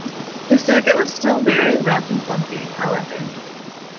The circuit was still very rough and bumpy, however.